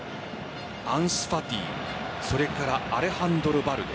アンスファティそれからアレハンドロ・バルデ。